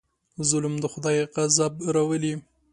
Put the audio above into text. ظلم د خدای غضب راولي.